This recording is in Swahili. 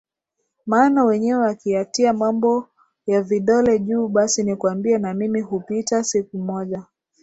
maana wenyewe wakiyaita mambo ya vidole juu Basi nikwambie na mimi hupita siku moja